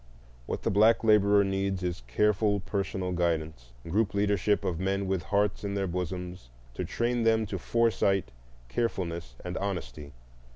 What the black laborer needs is careful personal guidance, group leadership of men with hearts in their bosoms, to train them to foresight, carefulness, and honesty.